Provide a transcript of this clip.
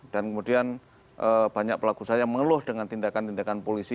dan kemudian banyak pelaku usaha yang mengeluh dengan tindakan tindakan polisi